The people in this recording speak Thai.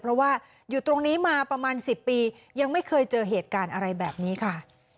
เพราะว่าอยู่ตรงนี้มาประมาณ๑๐ปียังไม่เคยเจอเหตุการณ์อะไรแบบนี้ค่ะ